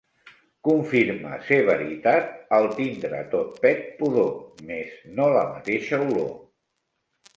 Confirma ser veritat el tindre tot pet pudor, mes no la mateixa olor.